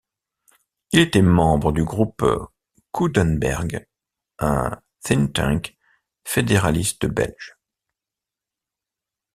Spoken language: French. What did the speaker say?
Il était membre du groupe Coudenberg, un think tank fédéraliste belge.